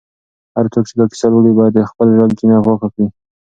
هر څوک چې دا کیسه لولي، باید د خپل زړه کینه پاکه کړي.